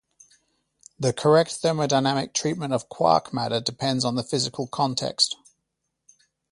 The correct thermodynamic treatment of quark matter depends on the physical context.